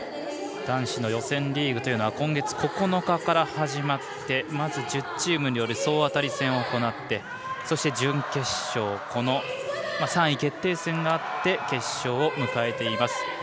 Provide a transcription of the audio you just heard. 男子の予選リーグは今月９日から始まってまず１０チームによる総当たり戦を行ってそして、準決勝３位決定戦があって決勝を迎えています。